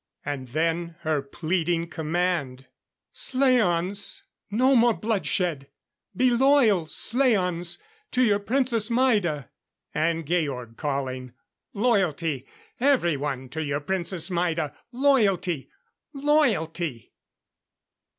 And then her pleading command: "Slaans, no more bloodshed! Be loyal, slaans, to your Princess Maida!" And Georg calling: "Loyalty, everyone, to your Princess Maida. Loyalty! Loyalty!"